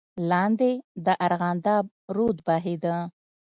لاندې د ارغنداب رود بهېده.